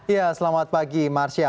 ya selamat pagi marsha